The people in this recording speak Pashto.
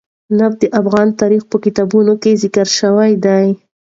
نفت د افغان تاریخ په کتابونو کې ذکر شوی دي.